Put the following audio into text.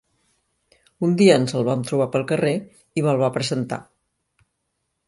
Un dia ens el vam trobar pel carrer i me'l va presentar.